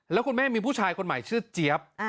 แล้วคุณแม่มีผู้ชายคนใหม่ชื่อเจี๊ยบ